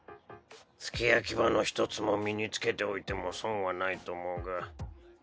付け焼き刃の一つも身に付けておいても損はないと思うが。